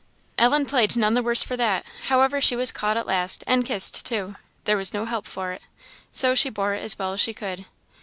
Ellen played none the worse for that; however she was caught at last, and kissed, too; there was no help for it, so she bore it as well as she could.